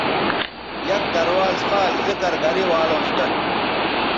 یک درواز خاص ذکر گرےوالوں سو دن تھو